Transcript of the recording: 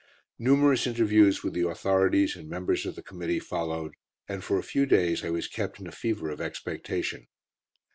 Numerous interviews with the authorities and members of the Committee followed, and for a few days I was kept in a fever of expectation.